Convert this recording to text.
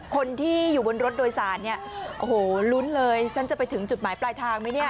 คนที่อยู่บนรถโดยสารเนี่ยโอ้โหลุ้นเลยฉันจะไปถึงจุดหมายปลายทางไหมเนี่ย